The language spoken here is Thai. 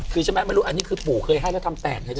คือใช่ไหมไม่รู้อันนี้คือปู่เคยให้แล้วทำแตกไงเธอ